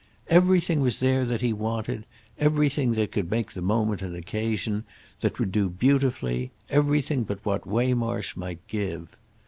Everything was there that he wanted, everything that could make the moment an occasion, that would do beautifully—everything but what Waymarsh might give.